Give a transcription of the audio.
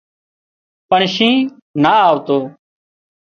پڻ شينهن نا آوتو